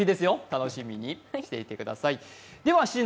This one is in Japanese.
楽しみにしていてください。